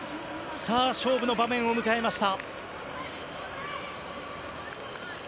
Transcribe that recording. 勝負の場面を迎えました。